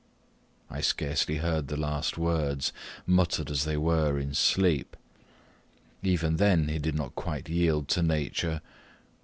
I scarcely heard the last words, muttered, as they were, in sleep. Even then he did not quite yield to nature.